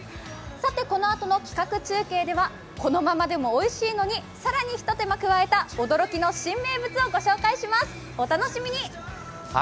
このあとの企画中継ではこのままでもおいしいのに更に一手間加えた驚きの新名物をお伝えします。